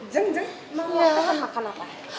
jeng jeng mau makan apa